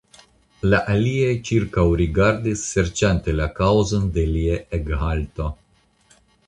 La aliaj ĉirkaŭrigardis serĉante la kaŭzon de lia ekhalto.